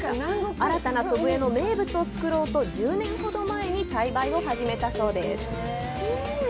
新たな祖父江の名物を作ろうと１０年ほど前に栽培を始めたそうです。